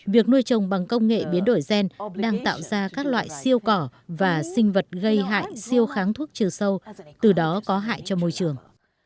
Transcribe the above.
việc nuôi trồng bằng công nghệ biến đổi gen đang tạo ra các loại siêu cỏ và sinh vật gây hại siêu kháng thuốc trừ sâu từ đó có hại cho môi trường